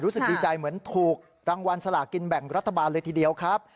รู้สึกดีใจเหมือนถูกรางวัลสลากินแบ่งรัฐบาลเลยทีเดียวครับ